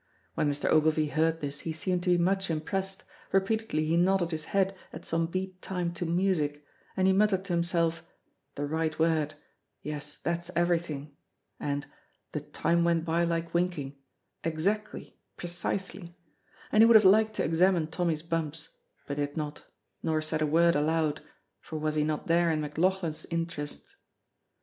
When Mr. Ogilvy heard this he seemed to be much impressed, repeatedly he nodded his head as some beat time to music, and he muttered to himself, "The right word yes, that's everything," and "'the time went by like winking' exactly, precisely," and he would have liked to examine Tommy's bumps, but did not, nor said a word aloud, for was he not there in McLauchlan's interest?